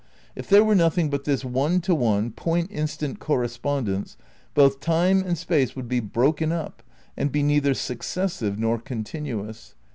If there were nothing but this one to one, point instant corre spondence, both Time and Space would be broken up and be neither successive nor continuous.